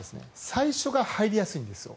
最初が入りやすいんですよ。